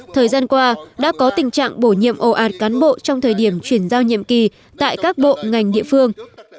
thời gian qua đã có tình trạng bổ nhiệm ồ ạt cán bộ trong thời điểm chuyển giao nhiệm kỳ tại các bộ ngành địa phương